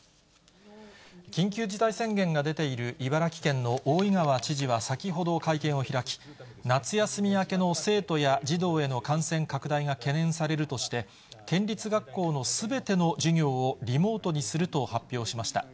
緊急事態宣言が出ている茨城県の大井川知事は先ほど会見を開き、夏休み明けの生徒や児童への感染拡大が懸念されるとして、県立学校のすべての授業をリモートにすると発表しました。